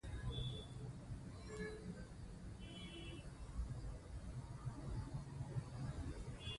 بن د مېړه دوهمه ښځه